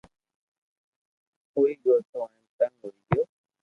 ھوئيي گيو تو ھين تنگ ھوئي گيو